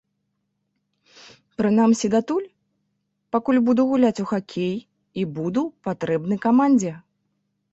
Прынамсі датуль, пакуль буду гуляць у хакей і буду патрэбны камандзе.